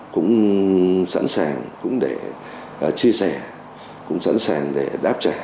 cũng sẵn sàng cũng để chia sẻ cũng sẵn sàng để đáp trả